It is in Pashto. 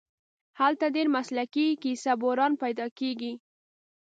هلته ډېر مسلکي کیسه بُران پیدا کېږي.